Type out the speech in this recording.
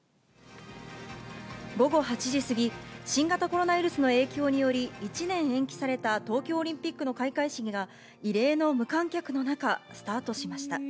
午後８時過ぎ、新型コロナウイルスの影響により、１年延期された東京オリンピックの開会式が、異例の無観客の中、スタートしました。